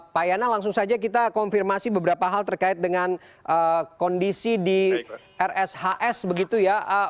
pak yana langsung saja kita konfirmasi beberapa hal terkait dengan kondisi di rshs begitu ya